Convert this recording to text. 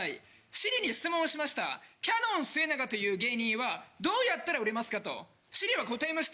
Ｓｉｒｉに質問をしました「キャノンすえながという芸人はどうやったら売れますか？」とＳｉｒｉは答えました。